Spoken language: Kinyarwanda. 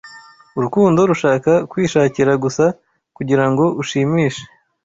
'Urukundo rushaka kwishakira gusa kugira ngo ushimishe